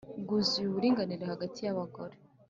bwuzuye uburinganire hagati y abagore